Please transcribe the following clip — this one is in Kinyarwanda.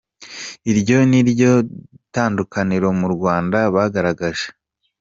Iryo ni ryo tandukaniro mu Rwanda bagaragaje.